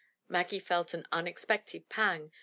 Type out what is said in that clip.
Maggie felt an unexpected pang.